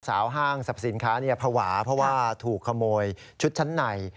ห้างสรรพสินค้าภาวะเพราะว่าถูกขโมยชุดชั้นใน